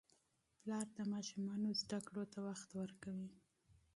پلار د ماشومانو تعلیم ته وخت ورکوي.